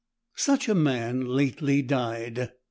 Such a man lately died.